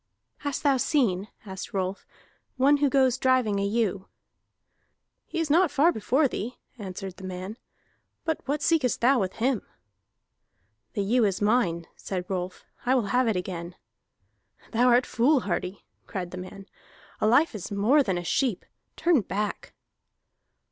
"Hast thou seen," asked Rolf, "one who goes driving a ewe?" "He is not far before thee," answered the man. "But what seekest thou with him?" "The ewe is mine," said Rolf. "I will have it again." "Thou art foolhardy," cried the man. "A life is more than a sheep. Turn back!"